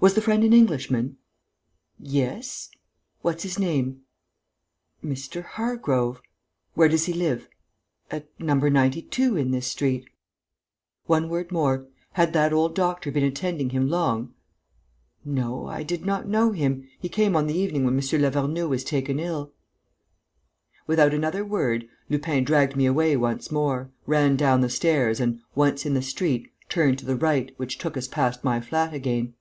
"Was the friend an Englishman?" "Yes." "What's his name?" "Mr. Hargrove." "Where does he live?" "At No. 92 in this street." "One word more: had that old doctor been attending him long?" "No. I did not know him. He came on the evening when M. Lavernoux was taken ill." Without another word, Lupin dragged me away once more, ran down the stairs and, once in the street, turned to the right, which took us past my flat again.